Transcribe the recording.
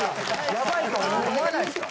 やばいと思わないですか？